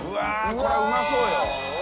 これうまそうよ。